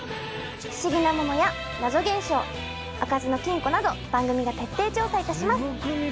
不思議なものや謎現象開かずの金庫など番組が徹底調査いたします。